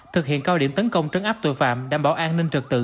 thực hiện cao điểm tấn công trấn áp tội phạm đảm bảo an ninh trật tự